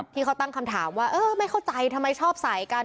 ที่เขาตั้งคำถามว่าเออไม่เข้าใจทำไมชอบใส่กัน